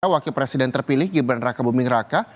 wakil presiden terpilih gibran raka buming raka